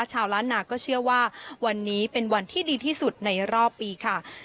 ชาวล้านนาก็เชื่อว่าวันนี้เป็นวันที่ดีที่สุดในรอบปีค่ะ